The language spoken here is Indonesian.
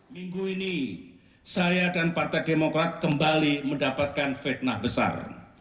minggu ini saya dan partai demokrat kembali mendapatkan fitnah besar